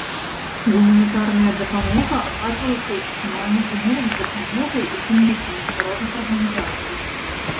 Гуманітарная дапамога аказвалася ў экстрэмальных умовах з дапамогай, у тым ліку, міжнародных арганізацый.